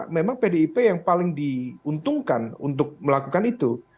memang pdip yang paling diuntungkan untuk melakukan itu